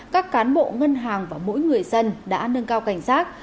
các cán bộ ngân hàng và mỗi người dân đã nâng cao cảnh giác